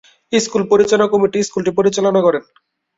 School পরিচালনা committee স্কুলটি পরিচালনা করেন।